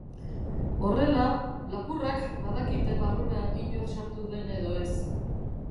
Horrela, lapurrek badakite barrura inor sartu den edo ez.